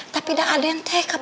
tapi udah ada yang teh kapan lah